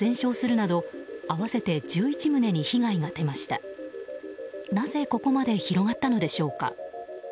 なぜ、ここまで広がったのでしょうか。